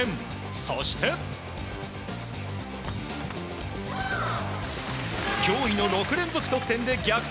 そして、驚異の６連続得点で逆転。